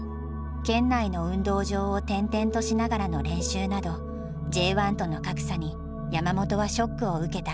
県内の運動場を転々としながらの練習などＪ１との格差に山本はショックを受けた。